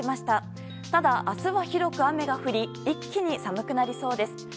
ただ、明日は広く雨が降り一気に寒くなりそうです。